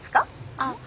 あっ。